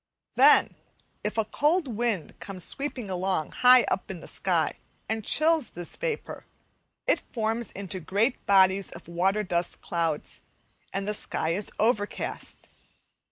Then, if a cold wind comes sweeping along, high up in the sky, and chills this vapour, it forms into great bodies of water dust clouds, and the sky is overcast.